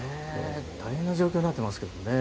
大変な状況になってますね。